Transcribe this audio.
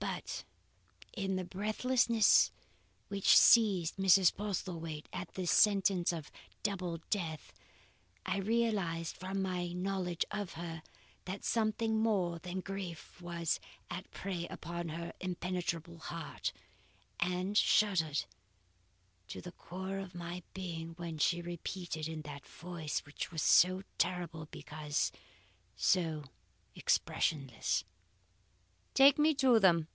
But in the breathlessness which seized Mrs. Postlethwaite at this sentence of double death, I realized from my knowledge of her that something more than grief was at prey upon her impenetrable heart, and shuddered to the core of my being when she repeated in that voice which was so terrible because so expressionless: "'Take me to them.